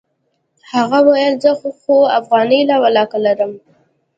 هغه وويل زه خو اوغانۍ لا ولله که لرم.